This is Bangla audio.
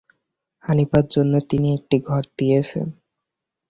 হানিফার জন্যে তিনি একটি ঘর দিয়েছেন।